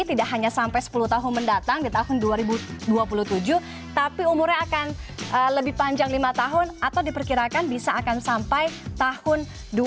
tidak hanya sampai sepuluh tahun mendatang di tahun dua ribu dua puluh tujuh tapi umurnya akan lebih panjang lima tahun atau diperkirakan bisa akan sampai tahun dua ribu dua puluh